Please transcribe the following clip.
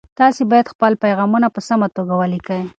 تاسي باید خپل پیغامونه په سمه توګه ولیکئ.